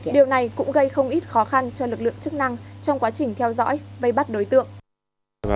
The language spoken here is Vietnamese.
điều này cũng gây không ít khó khăn cho lực lượng chức năng trong quá trình theo dõi vây bắt đối tượng